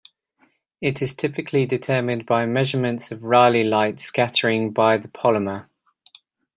It is typically determined by measurements of Rayleigh light scattering by the polymer.